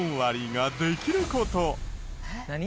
何？